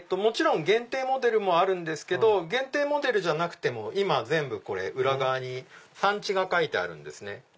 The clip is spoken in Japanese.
限定モデルもあるんですけど限定モデルじゃなくても今全部裏側に産地が書いてあるんですね。